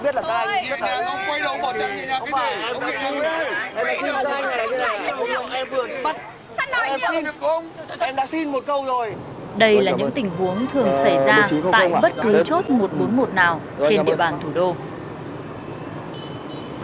đây là những tình huống thường xảy ra tại bất cứ chốt một trăm bốn mươi một nào trên địa bàn thủ đô